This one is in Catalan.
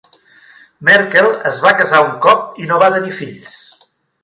Merkel es va casar un cop i no va tenir fills.